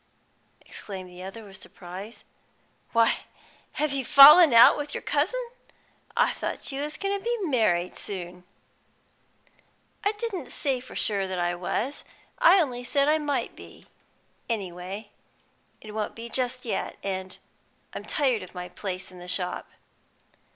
exclaimed the other, with surprise. "Why, have you fallen out with your cousin? I thought you was goin' to be married soon." "I didn't say for sure that I was; I only said I might be. Any way it won't be just yet, and I'm tired of my place in the shop."